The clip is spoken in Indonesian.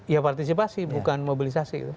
ya partisipasi bukan mobilisasi